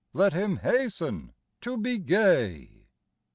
Let him hasten to be gay.